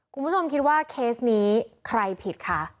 คุณผู้ชมคิดว่าเคสนี้ใครผิดคะ